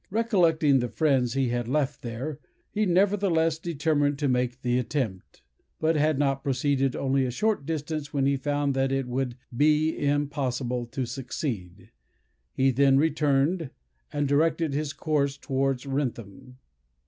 Recollecting the friends he had left there, he nevertheless determined to make the attempt; but had proceeded only a short distance when he found that it would be impossible to succeed. He then returned, and directed his course towards Wrentham.